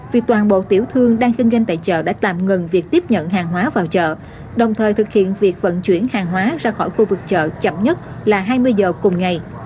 vì toàn bộ tiểu thương đang kinh doanh tại chợ đã tạm ngừng việc tiếp nhận hàng hóa vào chợ đồng thời thực hiện việc vận chuyển hàng hóa ra khỏi khu vực chợ chậm nhất là hai mươi giờ cùng ngày